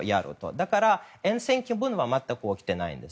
だから、厭戦気分は全く起きていないと思います。